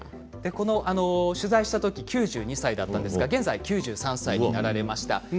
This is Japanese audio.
取材したとき９２歳だったんですが現在９３歳になられました。